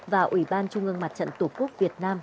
và ủy ban trung ương mặt trận tổ quốc việt nam